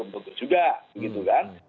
begitu juga begitu kan